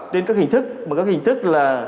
trên các hình thức